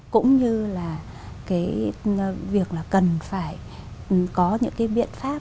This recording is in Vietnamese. cũng như là cái việc là cần phải có những cái biện pháp